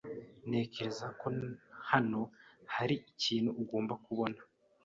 Ntekereza ko hano hari ikintu ugomba kubona